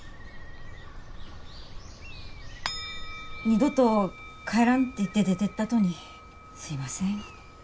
二度と帰らんって言って出てったとにすいません。